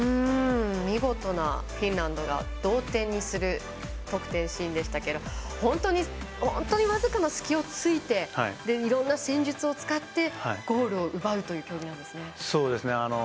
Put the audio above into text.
見事なフィンランド同点のシーンでしたが本当に、僅かな隙を突いていろいろな戦術を使ってゴールを奪うという競技なんですね。